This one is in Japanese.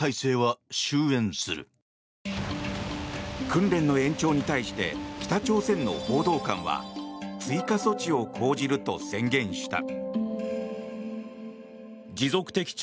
訓練の延長に対して北朝鮮の報道官は追加措置を講じると宣言した。